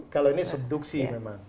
kalau ini subduksi memang